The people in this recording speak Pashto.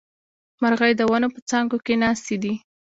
مرغۍ د ونو په څانګو کې ناستې دي